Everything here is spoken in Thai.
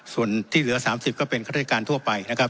ส่วนที่เหลือ๓๐ก็เป็นข้าราชการทั่วไปนะครับ